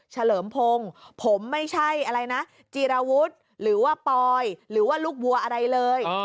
เลิมพงศ์ผมไม่ใช่อะไรนะจีรวุฒิหรือว่าปอยหรือว่าลูกวัวอะไรเลย